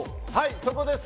そこです